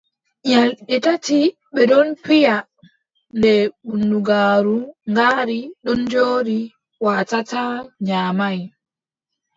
Nyalɗe tati ɓe ɗon piya ɗe bundugaaru ngaari ɗon jooɗi, waatataa, nyaamay.